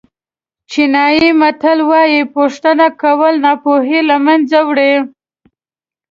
چینایي متل وایي پوښتنه کول ناپوهي له منځه وړي.